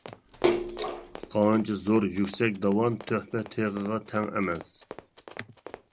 قانچە زور يۈكسەك داۋان تۆھپە تېغىغا تەڭ ئەمەس.